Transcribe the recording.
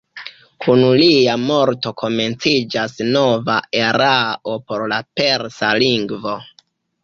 Kun lia morto komenciĝas nova erao por la persa lingvo.